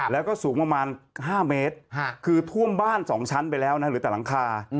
แล้วก็สูงประมาณ๕เมตรคือท่วมบ้าน๒ชั้นไปแล้วนะหรือแต่หลังคา